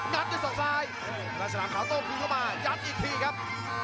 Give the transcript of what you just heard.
นัดในส่วนซ้ายแล้วฉลาดเช้าต้องคืนเข้ามายัดอีกทีครับ